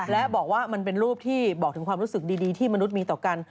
และบอกว่ามันเป็นรูปที่บอกถึงความรู้สึกดีที่มนุษย์มีต่อกัน